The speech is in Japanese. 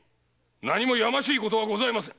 何もやましいことはございません。